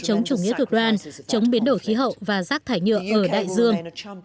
chống chủ nghĩa cực đoan chống biến đổi khí hậu và rác thải nhựa ở đại dương